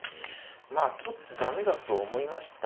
まあちょっと駄目だと思いました。